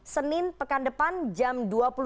senin pekan depan jam dua puluh tiga